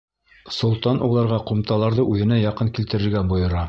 Солтан уларға ҡумталарҙы үҙенә яҡын килтерергә бойора.